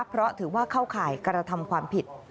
เพราะถือว่าเข้าข่ายกระทำความผิด